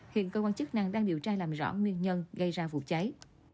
hiện cơ quan chức năng đang điều tra làm rõ nguyên nhân gây ra vụ cháy